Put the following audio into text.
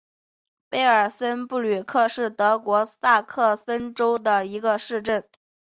贝尔森布吕克是德国下萨克森州的一个市镇。